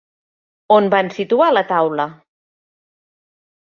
On van situar la taula?